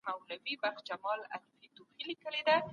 حضوري زده کړي د ملګرو مرسته زياته کړې ده.